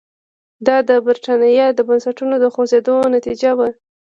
دا د برېټانیا د بنسټونو د خوځېدو نتیجه وه.